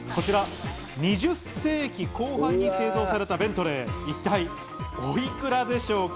２０世紀後半に製造されたベントレー、一体、おいくらでしょうか？